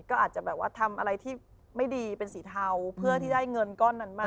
ก็อาจจะแบบว่าทำอะไรที่ไม่ดีเป็นสีเทาเพื่อที่ได้เงินก้อนนั้นมา